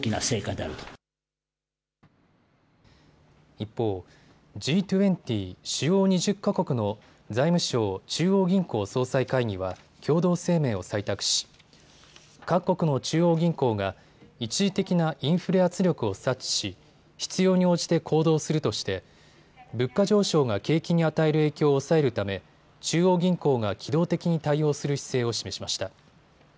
一方、Ｇ２０・主要２０か国の財務相・中央銀行総裁会議は共同声明を採択し各国の中央銀行が一時的なインフレ圧力を察知し、必要に応じて行動するとして物価上昇が景気に与える影響を抑えるため中央銀行が機動的に対応する姿勢を示しました。